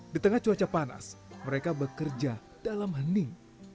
di tengah cuaca panas mereka bekerja dalam hening